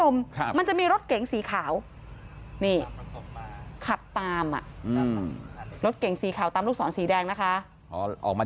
มันจะมีรถเก่งสีขาวนี่ขับตามรถเก่งสีขาวตามลูกศรสีแดงนะคะ